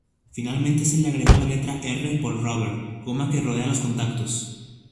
Finalmente se le agregó la letra R por "Rubber", goma que rodea los contactos.